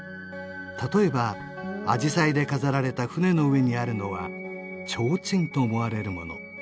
例えばアジサイで飾られた船の上にあるのはちょうちんと思われるもの